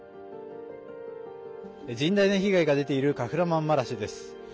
甚大な被害が出ているカフラマンマラシュです。